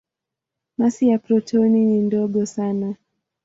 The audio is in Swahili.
Masi ya protoni ni ndogo sana.